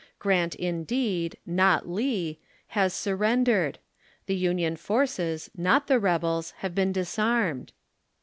Grant indeed, not Lee, has sur rendered ; the Union forces, not the rebels, have been dis armed.